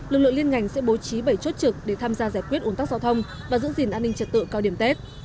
lực lượng liên ngành sẽ bố trí bảy chốt trực để tham gia giải quyết ủn tắc giao thông và giữ gìn an ninh trật tự cao điểm tết